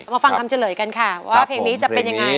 ฟังคำเฉลยกันค่ะว่าเพลงนี้จะเป็นยังไง